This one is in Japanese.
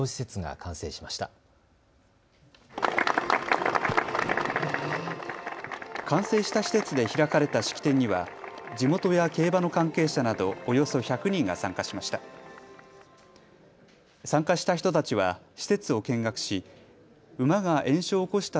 完成した施設で開かれた式典には地元や競馬の関係者などおよそ１００人が参加しました。